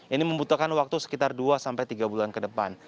ini membutuhkan waktu sekitar dua sampai tiga bulan ke depan